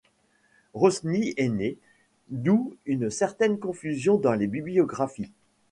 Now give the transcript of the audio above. Rosny aîné, d'où une certaine confusion dans les bibliographies.